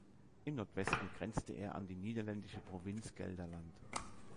Im Nordwesten grenzte er an die niederländische Provinz Gelderland.